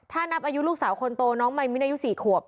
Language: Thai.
ถ้านับอายุลูกสาวคนโตน้องมายมิ้นอายุ๔ขวบ